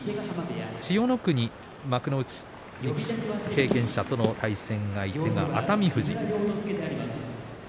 千代の国、幕内経験者との対戦が熱海富士。